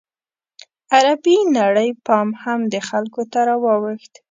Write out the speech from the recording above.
عربي نړۍ پام هم دې خلکو ته راواوښت.